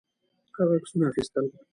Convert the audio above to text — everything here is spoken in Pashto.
هغه عکسونه اخیستل.